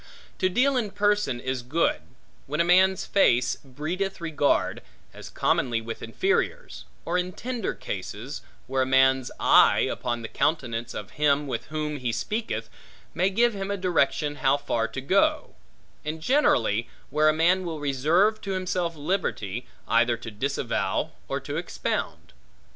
To deal in person is good, when a man's face breedeth regard, as commonly with inferiors; or in tender cases, where a man's eye, upon the countenance of him with whom he speaketh, may give him a direction how far to go; and generally, where a man will reserve to himself liberty, either to disavow or to expound.